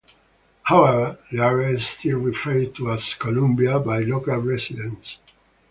However, the area is still referred to as "Columbia" by local residents.